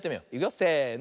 せの。